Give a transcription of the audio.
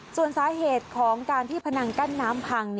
ส่วนสาเหตุของการที่พนังกั้นน้ำพัง